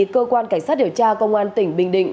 cơ quan cảnh sát điều tra công an tỉnh bình định